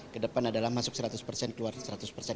ke depan adalah masuk seratus persen keluar seratus persen